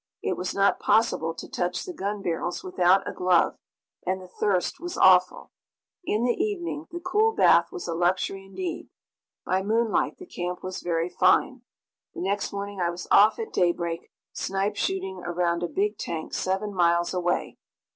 It was not possible to touch the gun barrels without a glove, and the thirst was awful. In the evening the cool bath was a luxury indeed. By moonlight the camp was very fine. The next morning I was off at daybreak, snipe shooting around a big tank, seven miles away.